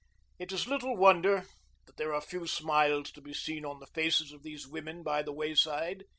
It is little wonder that there are few smiles to be seen on the faces of these women by the wayside.